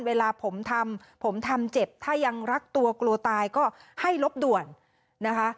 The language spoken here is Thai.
เวลาผมทำผมทำเจ็บถ้ายังรักตัวกลัวตายก็ให้ลบด่วนนะคะ